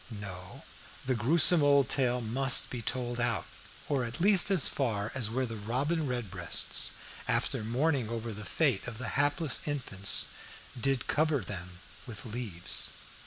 No, the gruesome old tale must be told out, or at least as far as where the robin redbreasts, after mourning over the fate of the hapless infants "did cover them with leaves."